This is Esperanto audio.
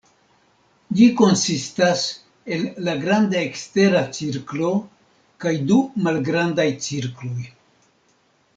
Ĝi konsistas el la granda ekstera cirklo kaj du malgrandaj cirkloj.